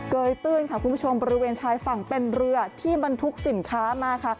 เกยตื่นบริเวณชายฝั่งเป็นเรือที่บรรทุกสินค้ามา